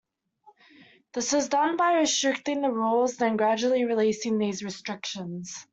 This is done by restricting the rules and then gradually releasing these restrictions.